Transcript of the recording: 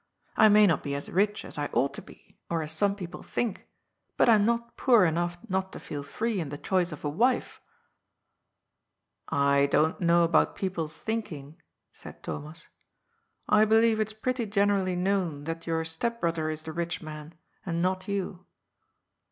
I may not be as rich as I ought to be, or as some people think, but I'm not poor enough not to feel free in the choice of a wife." ^'I don't know about people's thinking," said Thomas. ^^ I believe it's pretty generally known that your step brother is the rich man, and not you."